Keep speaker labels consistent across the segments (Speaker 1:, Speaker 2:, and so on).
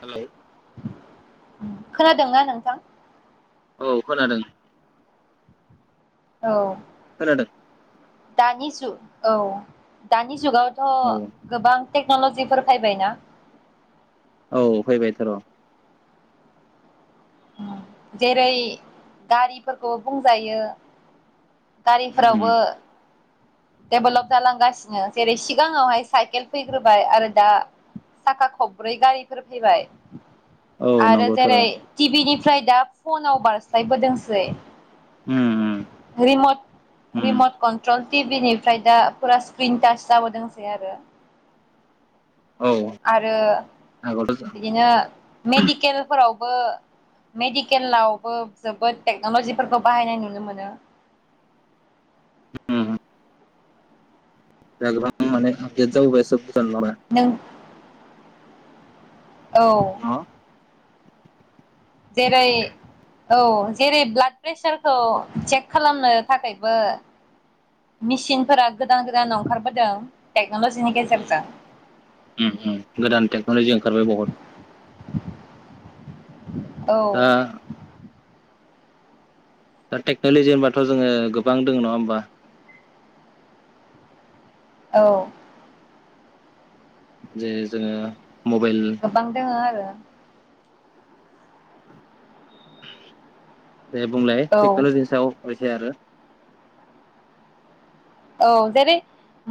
Speaker 1: Hello
Speaker 2: खोनादों ना नोंथां
Speaker 1: औ खोनादों
Speaker 2: औ
Speaker 1: खोनादों
Speaker 2: दानि जुग औ दानि जुगाव थ'
Speaker 1: औ
Speaker 2: गोबां टेक्न'ल'जिफोर फैबायना
Speaker 1: औ फैबायथ' र'
Speaker 2: जेरै गारिफोरखौ बुंजायो
Speaker 1: उम
Speaker 2: गारिफोरावबो डेभेलप जालांगासिनो जेरै सिगाङावहाय साइकेल फैग्रोबाय आरो दा साखा खब्रै गारिफोर फैबाय
Speaker 1: औ
Speaker 2: आरो
Speaker 1: नंगौथ' र'
Speaker 2: जेरै टिभिनि फ्राइ दा फनाव बारस्लायबोदोंसै
Speaker 1: उम उम
Speaker 2: रिमट
Speaker 1: उम
Speaker 2: रिमट कन्ट्रल टिभि निफ्राय दा फुरा स्क्रिन टाच जाबोदोंसै आरो
Speaker 1: औ
Speaker 2: आरो
Speaker 1: आगोलथ'
Speaker 2: बिदिनो मेडिकेलफोराव मेडिकेलावबो जोबोद टेक्नलजिफोरखौ बाहायनाय नुनो मोनो
Speaker 1: होम जाहा गोबां माने [unintelligible] जाबोबाय [unintelligible]
Speaker 2: नों औ
Speaker 1: होमबा
Speaker 2: जेरै औ जेरै ब्लाड प्रेसारखौ चेक खालामनो थाखायबो मेसिनफोरा गोदान गोदान ओंखारबोदों टेक्न'लजिनि
Speaker 1: उम
Speaker 2: गेजेरजों
Speaker 1: उम उम गोदान टेक्न'लजि ओंखारबाय बहुद
Speaker 2: औ
Speaker 1: दा दा टेक्न'लजि होनबाथ' जोङो गोबां दङ नङा होमबा
Speaker 2: औ
Speaker 1: जे जोङो मबाइल
Speaker 2: गोबां दोङो आरो
Speaker 1: दे बुंलााय
Speaker 2: औ
Speaker 1: टेकनलजीनि सायाव फाय आरो
Speaker 2: औ जेरै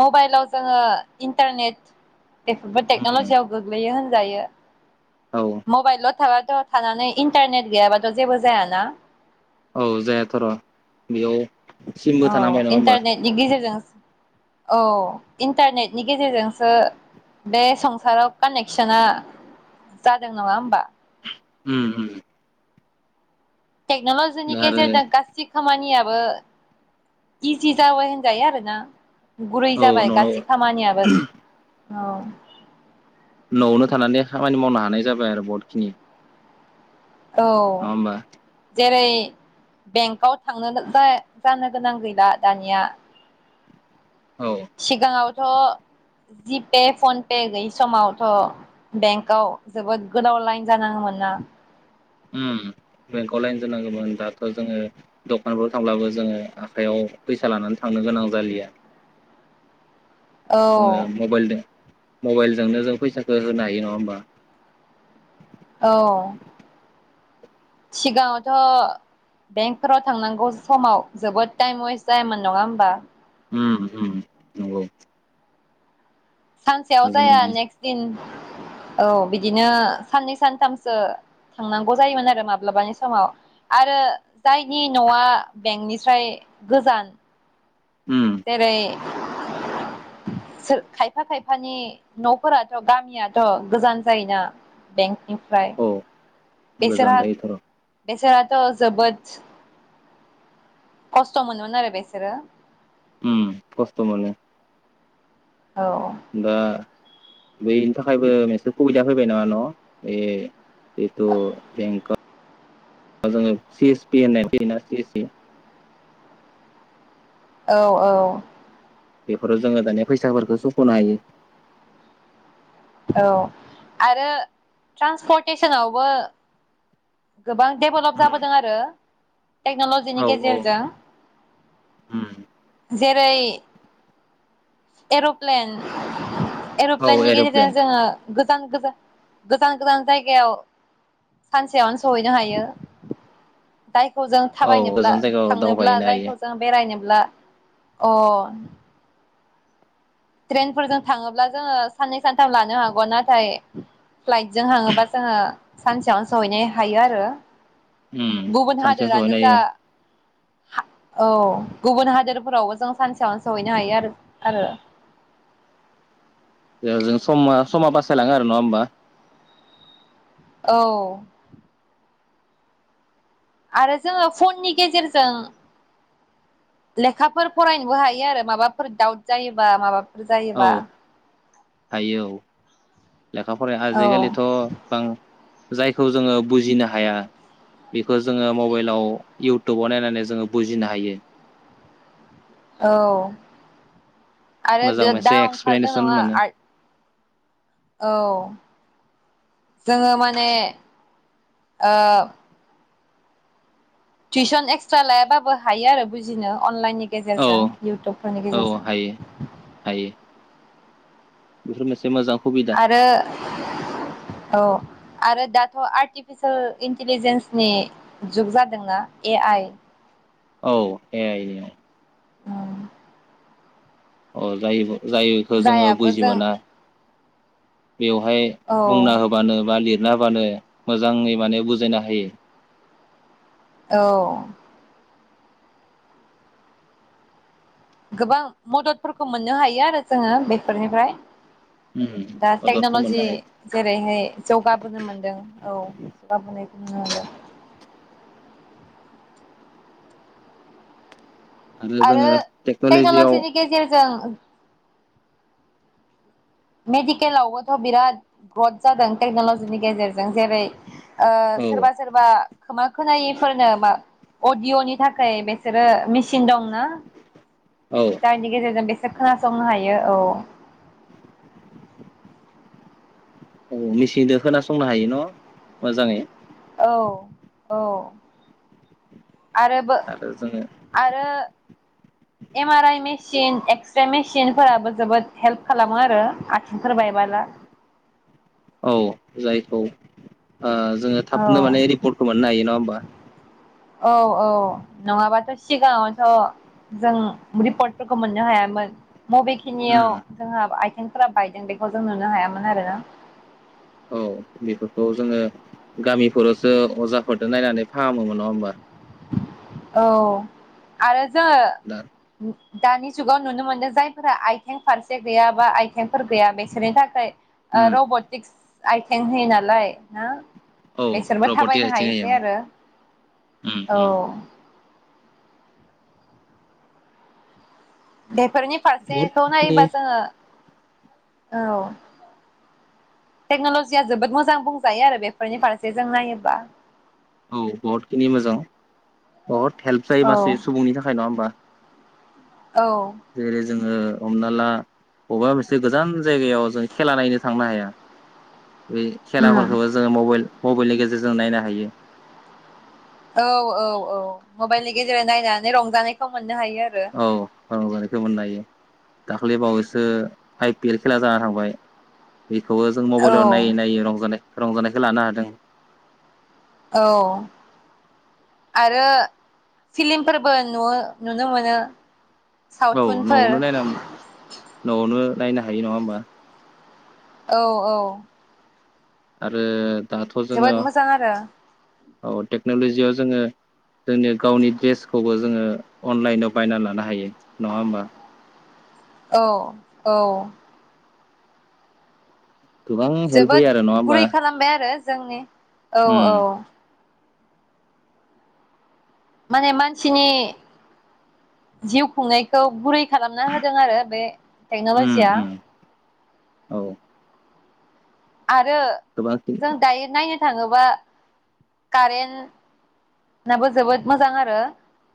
Speaker 2: मबाइलाव जोङो इन्टारनेट
Speaker 1: उम
Speaker 2: टेक्नल'जियाव गोग्लैयो होन जायो
Speaker 1: औ
Speaker 2: मबाइल ल थाब था थानानै इन्टारनेट गैयाबाथ' जेबो जायाना
Speaker 1: औ जायाथ' र' बेयाव सिमबो
Speaker 2: औ
Speaker 1: थानांबाय नङा होमबा
Speaker 2: इन्टारनेटनि गेजेरजों औ इन्टारनेटनि गेजेरजोंसो बे संसाराव कानेकसना जादों नङा होमबा?
Speaker 1: उम उम
Speaker 2: टेक्न'लजिनि
Speaker 1: दा आरो
Speaker 2: गेजेरजों गासै खामानिया ओ इजि जाबाय होनजायो आरोना गुरै
Speaker 1: औ
Speaker 2: जाबाय
Speaker 1: न' न'
Speaker 2: गासै खामानियाबो औ
Speaker 1: न'आवनो थानानै खामानि मावनो हानाय जाबाय आरो बहुत खिनि
Speaker 2: औ जेरै बेंकआव थांनो जानो गोनां गैला दानिया
Speaker 1: औ
Speaker 2: सिगाङावथ' जिपे फनपे गैयि समावथ' बेंकआव जोबोद गोदाव लाइन जानाङो मोनना
Speaker 1: उम बेंकआव लाइन ज नांगौमोन दाथ' जोङो दखानफ्राव थांब्लाबो जोङो आखायाव फैसा लानानै थांनो गोनां जालिया ओ
Speaker 2: औ
Speaker 1: मबाइल द मबाइलजोंनो जों फैसाखौ होनो हायो नङा होमबा?
Speaker 2: औ सिगाङावथ' बेंकफोराव थांनांगौ समाव जोबोद टाइम वेस्ट जायामोन नङा होमबा?
Speaker 1: उम उम नंगौ।
Speaker 2: सानसेयाव
Speaker 1: जों
Speaker 2: जाया नेक्स्ट दिन औ बिदिनो साननै सानथामसो थांनांगौ जायोमोन आरो माब्लाबानि समाव आरो जायनि न'आ बेंकनिफ्राय गोजान
Speaker 1: उम
Speaker 2: जेरै खायफा खायफानि न'फोराथ' गामियाथ' गोजान जायोना बें बेनिफ्राय
Speaker 1: औ गोजान
Speaker 2: बेसोरहा
Speaker 1: जायोथ' र'
Speaker 2: बेसोरहा जोबोथ खस्थ' मोनोमोन आरो बेसोरो
Speaker 1: उम खस्थ'मोनो
Speaker 2: औ
Speaker 1: दा बेनि थाखायबो मोनसे सुबिदा फैबाय नङा न' बे जिथु बेंकआव जोङो सि एस पि होननाय फैयोना सि एस सि
Speaker 2: औ औ
Speaker 1: बेफोराव जोङो दानिया फैसाफोरखौ सुख'नो हायो।
Speaker 2: औ आरो ट्रान्सपर्टेसनावबो गोबां डेभेलप
Speaker 1: उम
Speaker 2: जाबोदों आरो टेक्न'लजिनि
Speaker 1: औ औ
Speaker 2: गेजेरजों
Speaker 1: उम
Speaker 2: जेरै एर'प्लेन
Speaker 1: औ
Speaker 2: एर'प्लेननि
Speaker 1: एर'प्लेन
Speaker 2: गेजेरजों जोङो गोजान गोजान गोजान गोजान जायगायाव सानसेयावनो सहैनो हायो। जायखौ जों
Speaker 1: औ
Speaker 2: थाबायनोब्ला
Speaker 1: गोजान जायगायाव
Speaker 2: थांनोब्ला
Speaker 1: दावबायहैनो हायो
Speaker 2: जायखौ जों बेरायनोब्ला अ ट्रेनफोरजों थाङोब्ला जोङो साननै सानथाम लानो हागौ नाथाय। फ्लाइटजों थाङोबा जोङो सानसेयावनो सहैनो हायो आरो।
Speaker 1: उम
Speaker 2: गुबुन
Speaker 1: सानसेयाव सहैनो
Speaker 2: हादोरानो जा
Speaker 1: हायो
Speaker 2: औ गुबुन हादोरफोरावबो जों सानसेयावनो सहैनो हायो। आरो आरो
Speaker 1: जों समा समा बासायलाङो आरो नङा होमबा?
Speaker 2: औ आरो जोङो फननि गेजेरजों लेखाफोर फरायनोबो हायो आरो माबाफोर दाउट जायोबा माबा
Speaker 1: औ
Speaker 2: जायोबा
Speaker 1: हायो औ लेखा फराय
Speaker 2: औ
Speaker 1: आजिखालिथ' गोबां जायखौ जोङो बुजिनो हाया बेखौ जोङो मबाइलाव इउटुबाव नायनानै जोङो बुजिनो हायो।
Speaker 2: औ आरो
Speaker 1: मोजां
Speaker 2: बिर
Speaker 1: मोनसे
Speaker 2: दा ओंखारदों
Speaker 1: एक्सप्लेनेसन
Speaker 2: नोङो
Speaker 1: मोनो
Speaker 2: औ जोङो माने टिउसन एक्सट्रा लायाबाबो हायो आरो बुजिनो अनलाइननि
Speaker 1: औ
Speaker 2: जेरजों इउटुबफोरनि
Speaker 1: औ
Speaker 2: गेजेरजों
Speaker 1: हायो हायो बेफोर मोनसे मोजां सुबिदा
Speaker 2: आरो औ आरो दाथ' आर्टिफिसियेल इन्टिलिजेन्सनि जुग जादोंना ए आइ
Speaker 1: औ ए आइ नि औ जायोब' जायैखो जोङो
Speaker 2: जायाबो
Speaker 1: बुजि
Speaker 2: जों
Speaker 1: मोना बेवहाय
Speaker 2: औ
Speaker 1: बुंना होबानो बा लिर जाबानो मोजाङै माने बुजायनो हायो।
Speaker 2: औ गोबां मददफोरखौ मोननो हायो आरो जोङो बेफोरनिफ्राय दा
Speaker 1: मददखौ मोननो
Speaker 2: टेक्न'लजि
Speaker 1: हायो
Speaker 2: जेरैहाय जौगाबोनो मोनदों औ जौगाबोनाय [unintelligible] आरो
Speaker 1: जोङो टेक्न'लजियाव
Speaker 2: टाइगा'लजिनि गेजेर जों मेडिकेलावबोथ' बिराद ग्रथ जादों टेक्न'लजिनि गेजेरजों जेरै ओ
Speaker 1: औ
Speaker 2: सोरबा सोरबा खोमा खोनायैफोरनो मा अदिअ'नि थाखाय बेसोरो मेचिन दंना
Speaker 1: औ
Speaker 2: जायनि गेजेरजों बेस सोर खोनासंनो हायो औ।
Speaker 1: औ मेसिंदो खोनासंनो हायो न' मोजाङै
Speaker 2: औ औ आरो बो आरो M R I machine x-ray मेसिनफोराबो जोबोद हेल्प खालामो आरो आथिंफोर बायबाला
Speaker 1: औ जायखौ ओ जोङो
Speaker 2: औ
Speaker 1: थाबनो माने रिपर्टखौ मोननो हायो नङा होमबा?
Speaker 2: औ औ नङाबाथ' सिगाङावथ' जों रिपर्टफोरखौ मोननो हायामोन। बबेखिनियाव जोंहा आइ थिंफोरा बायदों बेखौ जों नुनो हायामोन आरोना
Speaker 1: औ बेफोरखौ जोङो गामिफोरावसो अजाफोरदो नायनानै फाहामोमोन नङा होमबा?
Speaker 2: औ आरो
Speaker 1: दा
Speaker 2: जोङो दानि जुगाव नुनो मोनदो जायफोरा आइथें फारसे गैया बा आइथेंफोर गैया बेसोरनि थाखै ओ र'ब'टिक्स आइथें होयो नालाय ना?
Speaker 1: औ
Speaker 2: बेसोरबो
Speaker 1: रबटि
Speaker 2: थाबायनो
Speaker 1: आथिं होयो
Speaker 2: हायोसै आरो।
Speaker 1: उम उम
Speaker 2: औ बेफोरनि फारसेखौ
Speaker 1: बहुदखिनि
Speaker 2: नायोबा जोङो। औ टेक्न'ल'जिया जोबोद मोजां बुंजायो आरो बेफोरनि फारसे जों नायोबा
Speaker 1: औ बहुत खिनि मोजां बहुद हेल्प जायो
Speaker 2: औ
Speaker 1: मानसि सुबुंनि थाखाय नङा होमबा?
Speaker 2: औ
Speaker 1: जेरै जोङो हमना ला बबेबा मोनसे गोजान जायगायाव जों खेला नायनो थांनो हाया। बे
Speaker 2: उम
Speaker 1: खेलाफोरखौबो जोङो मबाइल मबाइलनि गेजेरजों नायनो हायो।
Speaker 2: औ औ औ मबाइलनि गेजेरजों नायनानै रंजानायखौ मोनो।
Speaker 1: औ रंजानायखौ मोननो हायो। दाख्लै बावैसो आइपि एल खेला जाना थांबाय। बेखौबो जों
Speaker 2: औ
Speaker 1: मबाइलाव नायै नायै रंजानाय रंजानायखौ लानो हादों।
Speaker 2: औ आरो फिलिमफोरबो नु-नुनो मोनो।
Speaker 1: औ
Speaker 2: सावथुनफोर
Speaker 1: न'आवनो नायनानै न'आवनो नायनो हायो नङा होमबा?
Speaker 2: औ औ
Speaker 1: आरो दाथ' जोङो
Speaker 2: जोबोद मोजां आरो
Speaker 1: औ टेक्न'लजियाव जोङो जोंनि गावनि ड्रेसखौबो जोङो अनलाइनाव बायनानै लानो हायो। नङा होमबा?
Speaker 2: औ औ
Speaker 1: गोबां हेल्प
Speaker 2: जोबोद
Speaker 1: होयो आरो नङा होमबा?
Speaker 2: गुरै खालामबाय आरो जोंनि औ
Speaker 1: उम
Speaker 2: औ माने मानसिनि जिउ खुंनायखौ गुरै खालामना होदों आरो बे
Speaker 1: उम
Speaker 2: टेक्न'लजिया
Speaker 1: उम औ
Speaker 2: आरो
Speaker 1: गोबां
Speaker 2: जों दायो नायनो थाङोबा कारेन्ट नाबो जोबोद मोजां आरो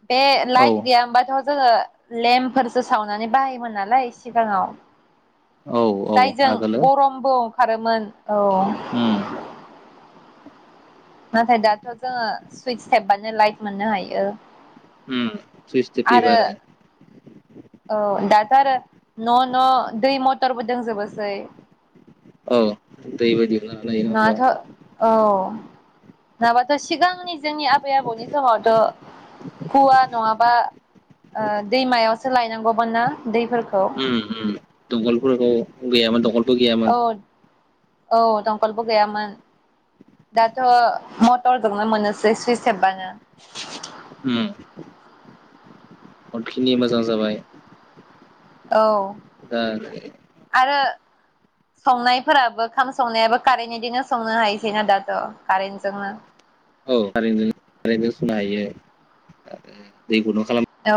Speaker 2: बे
Speaker 1: औ
Speaker 2: लाइट गैयामोबा थ जों जोङो लेम्पफोरसो सावनानै बाहायोमोन नालाय सिगाङाव
Speaker 1: औ औ
Speaker 2: जायजों
Speaker 1: आगोलो
Speaker 2: गरमबो खारोमोन औ
Speaker 1: उम
Speaker 2: नाथाय दाथ' जोङो सुइस सेरबानो लाइट मोननो हायो
Speaker 1: उम सुइस टिपिबा
Speaker 2: आरो औ दाथ' आरो न' न' दै मटरबो दोंजोबोसै
Speaker 1: औ दैबायदि
Speaker 2: नाथ' औ नङाबाथ' सिगांनि जोंनि आबै आबौनि समावथ' हौवा नङाबा? ओ दैमायाव सोलायनांगौमोन ना? दैफोरखौ
Speaker 1: उम उम दंखलफोरखौ गैया मोन दंख बो
Speaker 2: औ
Speaker 1: गैयामोन।
Speaker 2: औ दंखलबो गैयामोन दाथ' मटरजोंनो मोननोसै सुइस सेरबानो।
Speaker 1: हम बहुतखिनि मोजां जाबाय।
Speaker 2: औ आरो
Speaker 1: [unintelligible]
Speaker 2: संनायफोराबो खाम संनायाबो कारेन्टनिदोनो संनो हायसैना दाथ' कारेन्टजोंनो
Speaker 1: औ खारेन्टजोंनो कारन्टजों सुनो हायो आरो दैखौनो खालामो
Speaker 2: अ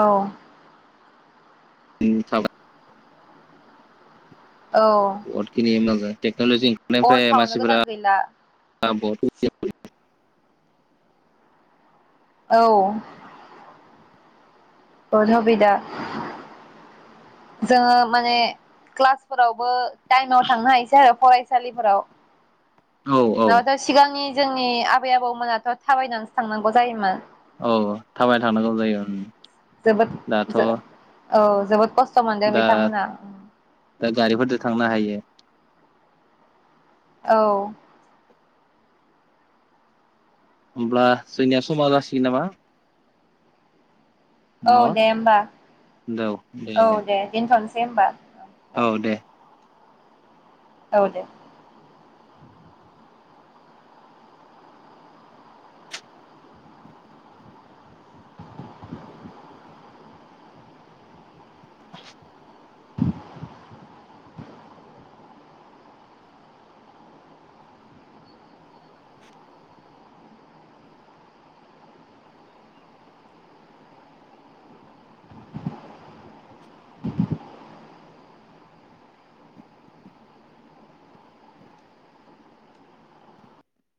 Speaker 1: [unintelligible]
Speaker 2: औ
Speaker 1: [unintelligible] टेक्न'लजि
Speaker 2: अर
Speaker 1: ओंखारनायनिफ्राय
Speaker 2: सावनो गोनां
Speaker 1: मानसिफोरा
Speaker 2: गैला औ बहत हुबिदा जोङो माने क्लासफोरावबो टाइमाव थांनो हायोसै आरो फरायसालिफोराव
Speaker 1: औ औ
Speaker 2: नङाथ सिगांनि जोंनि आबै आबौमोनाथ' थाबायनानैसो थांनांगौ जायोमोन
Speaker 1: औ थाबाय थानांगौ जायो
Speaker 2: जबोद
Speaker 1: दाथ'
Speaker 2: ज ओ जोबोद खस
Speaker 1: दा दा गारिफोरजों थांनो हायो
Speaker 2: औ
Speaker 1: होमब्ला जोंनिया समा जासिगोन नामा
Speaker 2: औ
Speaker 1: न'
Speaker 2: दे होमबा औ दे दोनथ'नोसै होमबा
Speaker 1: औ दे
Speaker 2: औ दे
Speaker 1: [inaudible]
Speaker 2: [inaudible]